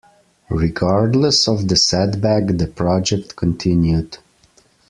Regardless of the setback, the project continued.